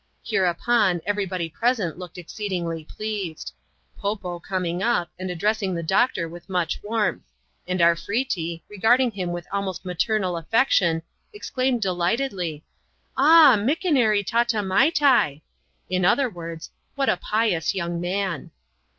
Hereupon, every body present looked exceedingly pleased ; Po Po coming up, and addressing the doctor with much warmth; and ArfretQC, regarding him with almost maternal afiection, exclaimed delightedly, '^ Ah ! mickonaree tata maitail'' in other words, " What a pious young man!"